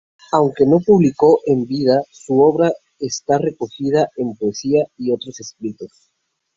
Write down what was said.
Aunque no publicó en vida, su obra está recogida en "Poesía y otros escritos.